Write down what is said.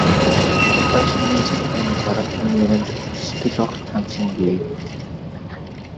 Байшингийн захиргааны дарга энэ ярианд сэтгэл огт ханасангүй.